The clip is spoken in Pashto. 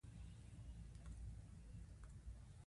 دې شعبده بازیو په نتیجه کې د پنجاب خپله عورته تښتېدلې ده.